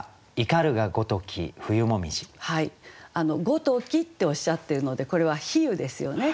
「ごとき」っておっしゃってるのでこれは比喩ですよね。